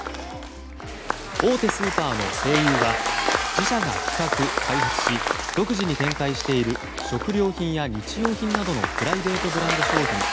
大手スーパーの西友は自社が企画・開発し独自に展開している食料品や日用品などのプライベートブランド商品